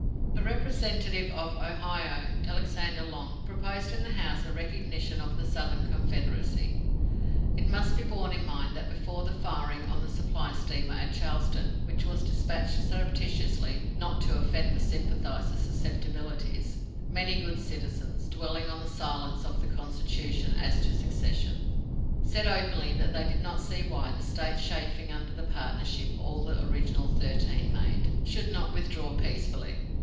A representative of Ohio, Alexander Long, proposed in the House a recognition of the Southern Confederacy. It must be borne in mind that, before the firing on the supply steamer at Charleston, which was despatched surreptitiously not "to offend the sympathizers' susceptibilities," many good citizens, dwelling on the silence of the Constitution as to secession, said openly that they did not see why the States chafing under the partnership all the original thirteen made, should not withdraw peacefully.